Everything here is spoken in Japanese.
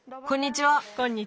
こんにちは。